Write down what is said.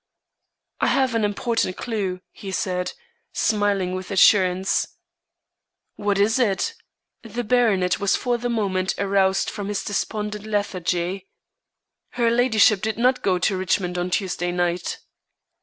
"I have an important clue," he said, smiling with assurance. "What is it?" The baronet was for the moment aroused from his despondent lethargy. "Her ladyship did not go to Richmond on Tuesday night."